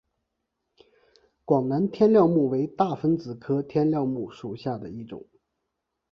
广南天料木为大风子科天料木属下的一个种。